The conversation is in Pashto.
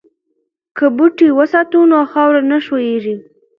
که بوټي وساتو نو خاوره نه ښویېږي.